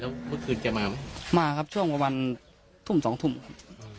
แล้วเมื่อคืนแกมาไหมมาครับช่วงประมาณทุ่มสองทุ่มครับ